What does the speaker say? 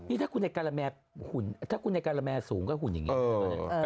นี่ถ้าคุณแกรมแมร์หุ่นถ้าคุณแกรมแมร์สูงก็หุ่นอย่างเงี้ย